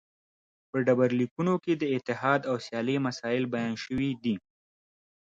په ډبرلیکونو کې د اتحاد او سیالۍ مسایل بیان شوي دي